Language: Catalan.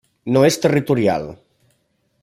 No és territorial.